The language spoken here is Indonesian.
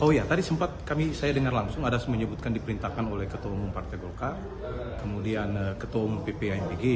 oh iya tadi sempat saya dengar langsung ada semenyebutkan diperintahkan oleh ketua umum partai golkar kemudian ketua umum ppambg